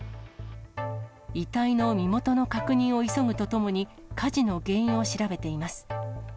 遺体の身元の確認を急ぐとともに、火事の原因を調べています。